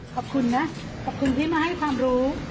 ขอบคุณนะขอบคุณที่มาให้ความรู้